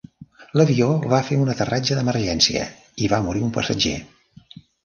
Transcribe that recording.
L'avió va fer un aterratge d'emergència i va morir un passatger.